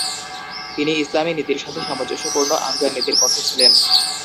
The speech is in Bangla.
তিনি ইসলামি নীতির সাথে সামঞ্জস্যপূর্ণ আফগান নীতির পক্ষে ছিলেন।